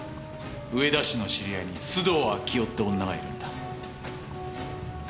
上田氏の知り合いに須藤明代って女がいるんだ。